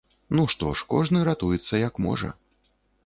Ну што ж, кожны ратуецца як можа.